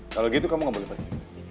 kalau gitu kamu gak boleh pergi